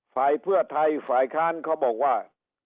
ฝ่ายเพื่อไทยฝ่ายค้านเขาบอกว่า